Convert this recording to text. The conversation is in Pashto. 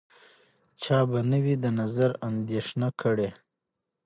چا به نه وي د نظر اندېښنه کړې